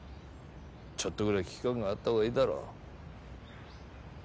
ちょっとぐらい危機感があったほうがいいだろ。